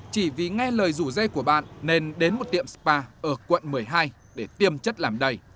chỉ vì nghe lời rủ dây của bạn nên đến một tiệm spa ở quận một mươi hai để tiêm chất làm đầy